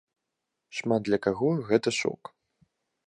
Шмат для каго гэта шок!